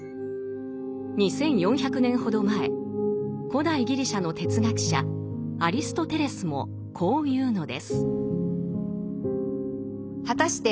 ２，４００年ほど前古代ギリシャの哲学者アリストテレスもこう言うのです。